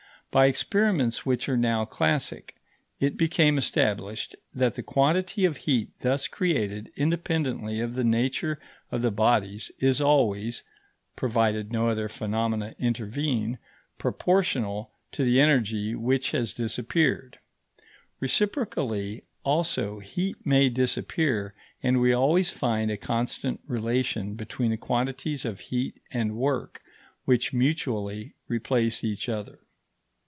By experiments which are now classic, it became established that the quantity of heat thus created independently of the nature of the bodies is always (provided no other phenomena intervene) proportional to the energy which has disappeared. Reciprocally, also, heat may disappear, and we always find a constant relation between the quantities of heat and work which mutually replace each other.